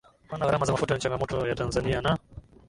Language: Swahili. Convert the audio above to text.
kupanda gharama za mafuta ni changamoto ya tanzania na